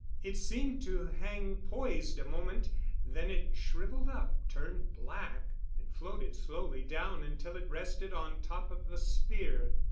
It seemed to hang poised a moment, then it shriveled up, turned black, and floated slowly down until it rested on top of the sphere.